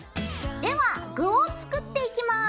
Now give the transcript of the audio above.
では具を作っていきます。